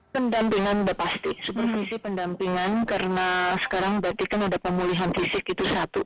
pendampingan sudah pasti supervisi pendampingan karena sekarang berarti kan ada pemulihan fisik itu satu